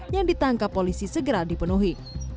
yang ditangkap polisi segera dipenuhi